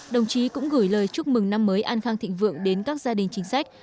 đồng chí cũng gửi lời chúc mừng năm mới an khang thịnh vượng đến các gia đình chính sách